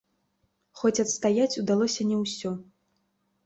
Хоць адстаяць удалося не ўсё.